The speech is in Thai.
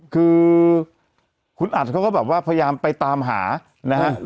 คือคุณอัดเขาก็แบบว่าพยายามไปตามหานะฮะ